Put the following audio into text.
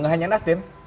tidak hanya nasdem